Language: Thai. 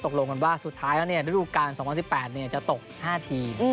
ตกลงกันว่าสุดท้ายแล้วฤดูการ๒๐๑๘จะตก๕ทีม